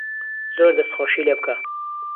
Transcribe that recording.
زۆری دەسخۆشی لێ بکە